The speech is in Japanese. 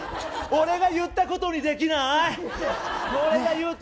俺が言ったことにできない？